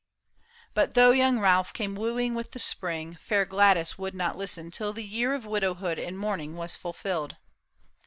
But though young Ralph came wooing with the spring, Fair Gladys would not listen till the year Of widowhood and mourning was fulfilled.